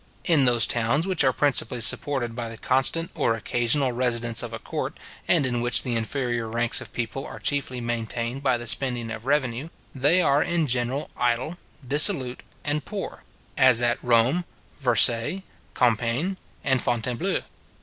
In those towns which are principally supported by the constant or occasional residence of a court, and in which the inferior ranks of people are chiefly maintained by the spending of revenue, they are in general idle, dissolute, and poor; as at Rome, Versailles, Compeigne, and Fontainbleau.